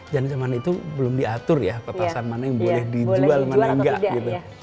dan zaman itu belum diatur ya petasan mana yang boleh dijual mana enggak gitu